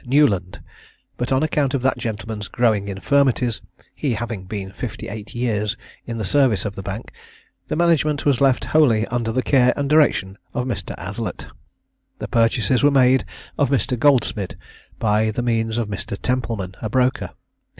Newland; but on account of that gentleman's growing infirmities, he having been fifty eight years in the service of the Bank, the management was left wholly under the care and direction of Mr. Aslett. The purchases were made of Mr. Goldsmid, by the means of Mr. Templeman, a broker.